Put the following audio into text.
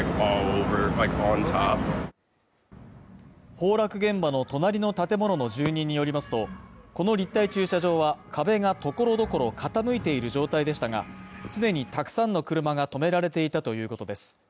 崩落現場の隣の建物の住人によりますと、この立体駐車場は、壁がところどころ傾いている状態でしたが、常にたくさんの車が停められていたということです。